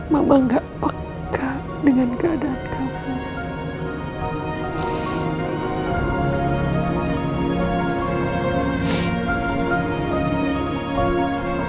mama gak peka dengan keadaan kamu